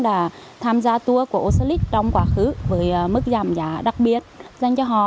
đã tham gia tour của osalit trong quá khứ với mức giảm giá đặc biệt dành cho họ